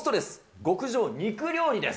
極上肉料理です。